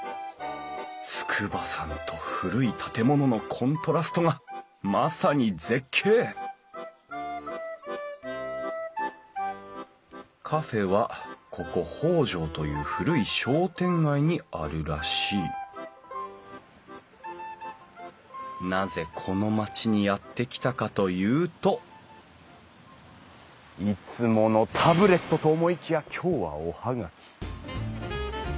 筑波山と古い建物のコントラストがまさに絶景カフェはここ北条という古い商店街にあるらしいなぜこの町にやって来たかというといつものタブレットと思いきや今日はお葉書。